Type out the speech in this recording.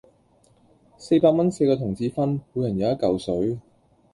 四百蚊四個同志分，每人有一舊水